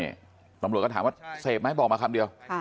นี่ตำรวจก็ถามว่าเสพไหมบอกมาคำเดียว